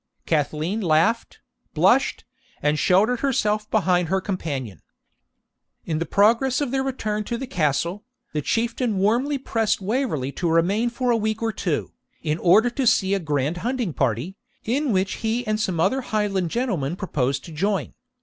Cathleen laughed, blushed, and sheltered herself behind her companion. In the progress of their return to the castle, the Chieftain warmly pressed Waverley to remain for a week or two, in order to see a grand hunting party, in which he and some other Highland gentlemen proposed to join.